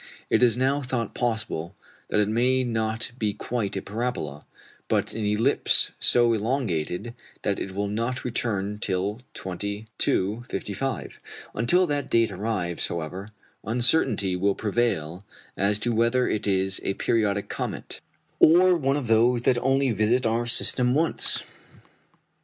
It is now thought possible that it may not be quite a parabola, but an ellipse so elongated that it will not return till 2255. Until that date arrives, however, uncertainty will prevail as to whether it is a periodic comet, or one of those that only visit our system once.